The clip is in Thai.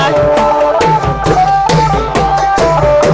สวัสดีครับ